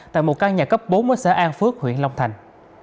tại một căn nhà cấp bốn ở xã an phước huyện long thành